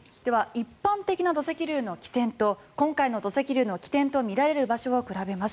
一般的な土石流の起点と今回の土石流の起点とみられる場所を比べます。